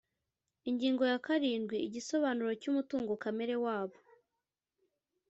Ingingo ya karindwi Igisobanuro cy umutungo kamere wabo